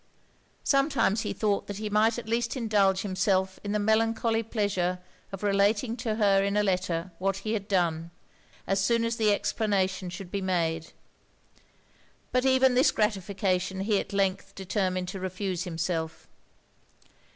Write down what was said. Sometimes he thought that he might at least indulge himself in the melancholy pleasure of relating to her in a letter, what he had done, as soon as the explanation should be made: but even this gratification he at length determined to refuse himself.